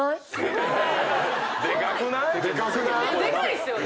でかくない⁉でかいっすよね。